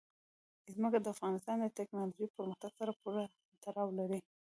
ځمکه د افغانستان د تکنالوژۍ پرمختګ سره پوره تړاو لري.